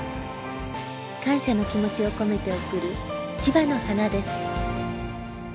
感謝の気持ちを込めて贈る千葉の花です。